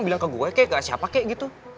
bilang ke gue kek gak siapa kek gitu